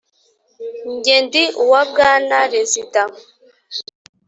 Jye ndi uwa bwana Rezida.